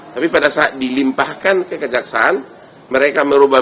tapi pada saat dilimpahkan kekejaksaan mereka merubah